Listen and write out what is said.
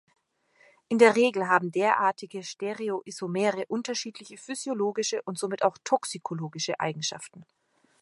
In der Regel haben derartige Stereoisomere unterschiedliche physiologische und somit auch toxikologische Eigenschaften.